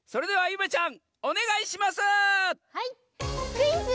「クイズ！